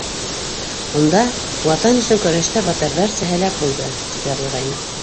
Унда: «Ватан өсөн көрәштә батырҙарса һәләк булды», - тип яҙылғайны.